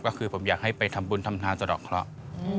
ก็คือผมอยากให้ไปทำบุญทำทานสะดอกเคราะห์